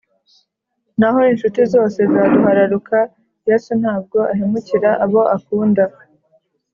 Naho inshuti zose zaduhararuka yesu ntabwo ahemukira abo akunda